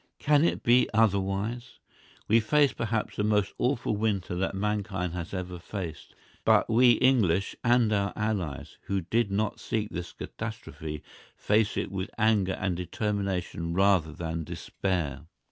Can it be otherwise? We face, perhaps, the most awful winter that mankind has ever faced. But we English and our allies, who did not seek this catastrophe, face it with anger and determination rather than despair.